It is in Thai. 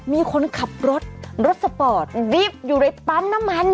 มีคนขับรถรถสปอร์ตรีบอยู่ในปั๊มน้ำมัน